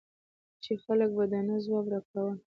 چې خلکو به د نه ځواب را کاوه.